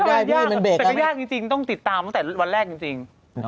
แต่ก็ยากจริงต้องติดตามตั้งแต่วันแรกจริง